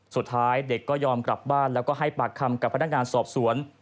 สุดท้ายเด็กก็ยอมกลับบ้านแล้วก็ให้ปากคำกับพนักงานสอบสวน